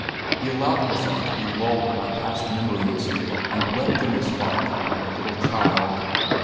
He allowed himself to be lulled by past memories, and wept in his heart like a little child.